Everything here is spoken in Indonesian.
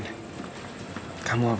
terima kasih laras